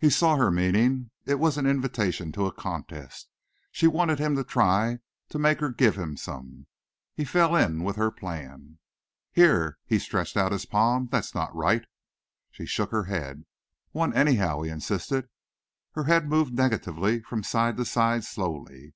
He saw her meaning. It was an invitation to a contest. She wanted him to try to make her give him some. He fell in with her plan. "Here!" He stretched out his palm. "That's not right!" She shook her head. "One, anyhow," he insisted. Her head moved negatively from side to side slowly.